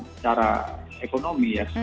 secara ekonomi ya